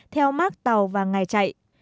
theo mark tàu và ngân